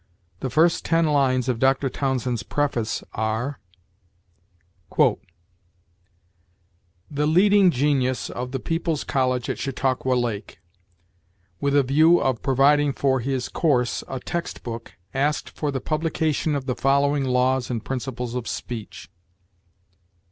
The first ten lines of Dr. Townsend's preface are: "The leading genius of the People's College at Chautauqua Lake, with a [the?] view of providing for his course a text book, asked for the publication of the following laws and principles of speech.